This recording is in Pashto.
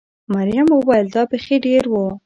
مريم وویل: دا بېخي ډېر و.